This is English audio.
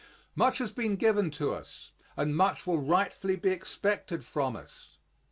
Much has been given to us, and much will rightfully be expected from us.